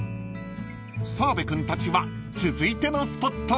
［澤部君たちは続いてのスポットへ］